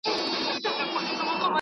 زدهکوونکي د ښوونځي د علمي بحث برخه دي.